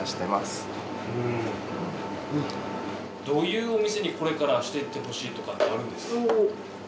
どういうお店にこれからしてってほしいとかってあるんですか？